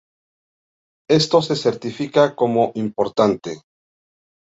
Esto se certifica como importante.